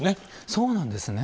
そうなんですね。